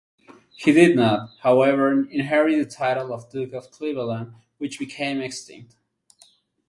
He did not, however, inherit the title of Duke of Cleveland, which became extinct.